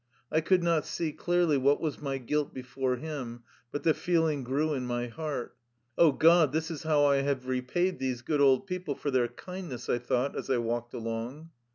I could not see clearly what was my guilt before him, but the feeling grew in my heart. " О God, this is how I have repaid these good old people for their kindness," I thought as I walked along.